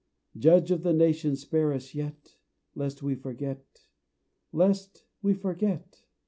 Judge of the Nations, spare us yet, Lest we forget lest we forget!